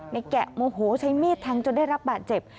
แกะโมโหใช้มีดแทงจนได้รับบาดเจ็บ